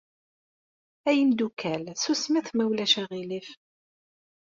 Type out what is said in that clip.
Ay imeddukal, susmet ma ulac aɣilif.